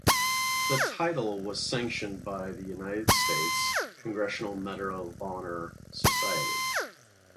The title was sanctioned by the United States Congressional Medal of Honor Society.